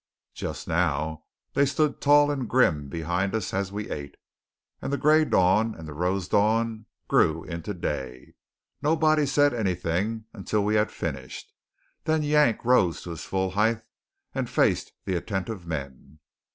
Just now they stood tall and grim behind us as we ate; and the gray dawn and the rose dawn grew into day. Nobody said anything until we had finished. Then Yank rose to his full height and faced the attentive men.